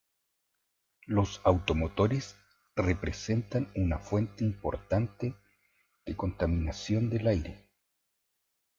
Los automotores representan una fuente importante de contaminación del aire.